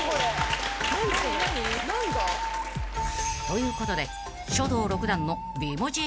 ［ということで書道６段の美文字